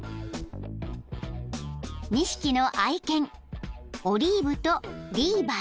［２匹の愛犬オリーブとリーバイ］